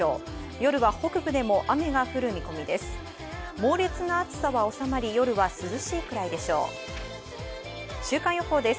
夜は北部でも雨が降る見込みです。